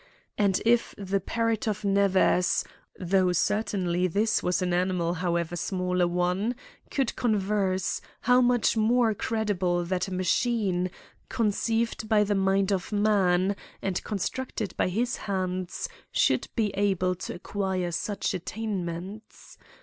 And if the parrot of Nevers (though certainly this was an animal, however small a one) could converse, how much more credible that a machine, conceived by the mind of man, and constructed by his hands, should be able to acquire such attainments